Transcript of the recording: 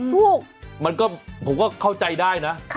ผมก็เข้าใจได้นะ